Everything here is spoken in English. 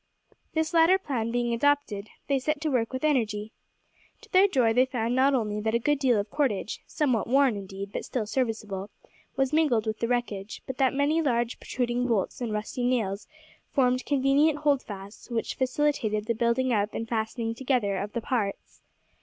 This latter plan being adopted, they set to work with energy. To their joy they found not only that a good deal of cordage somewhat worn, indeed, but still serviceable was mingled with the wreckage, but that many large protruding bolts and rusty nails formed convenient holdfasts, which facilitated the building up and fastening together of the parts.